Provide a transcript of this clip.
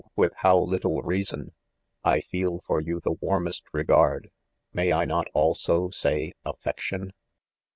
with how little reason 1 I feel' for you the warmest regard, may I not also say affec tion."